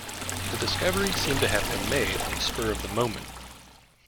The discovery seemed to have been made on the spur of the moment.